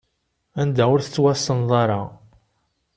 Anda ur tettwasenḍ ara.